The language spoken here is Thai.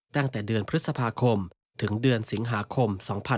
ตั้งแต่เดือนพฤษภาคมถึงเดือนสิงหาคม๒๕๖๒